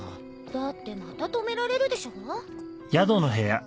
だってまた止められるでしょ。にゅ。